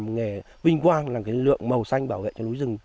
nghề vinh quang là cái lượng màu xanh bảo vệ cho núi rừng